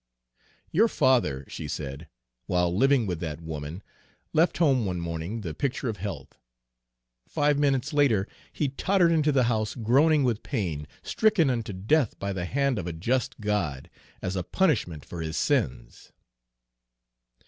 "Your father," she said, "while living with that woman, left home one morning the picture of health. Five minutes later he tottered into the house groaning with pain, stricken unto death by the hand of a just God, as a punishment for his sins."